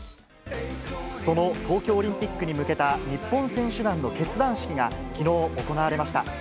その東京オリンピックに向けた日本選手団の結団式が、きのう行われました。